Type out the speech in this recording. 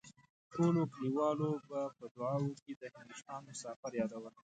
ټولو کليوالو به په دعاوو کې د هندوستان مسافر يادول.